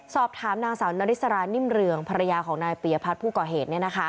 สอบถามนางสาวนาริสรานิ่มเรืองภรรยาของนายปียพัฒน์ผู้ก่อเหตุ